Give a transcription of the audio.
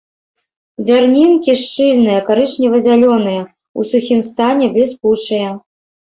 Дзярнінкі шчыльныя, карычнева-зялёныя, у сухім стане бліскучыя.